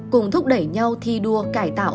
cùng thúc đẩy nhau thi đua cải tạo